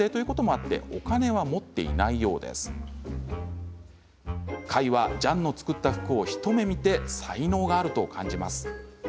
開はジャンの作った服を一目見て才能があると感じます。